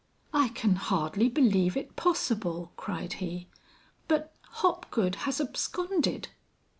"I can hardly believe it possible," cried he, "but Hopgood has absconded."